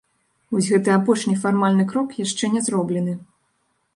Вось гэты апошні фармальны крок яшчэ не зроблены.